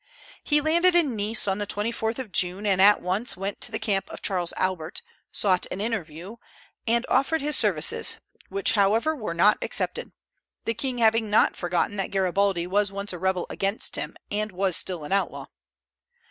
He landed in Nice on the 24th of June, and at once went to the camp of Charles Albert, sought an interview, and offered his services, which, however, were not accepted, the king having not forgotten that Garibaldi was once a rebel against him, and was still an outlaw.